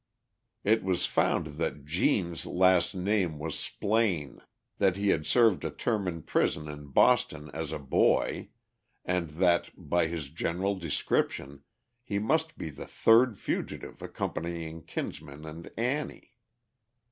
It was found that "Gene's" last name was Splaine, that he had served a term in prison in Boston as a boy, and that, by his general description, he must be the third fugitive accompanying Kinsman and Annie.